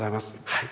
はい。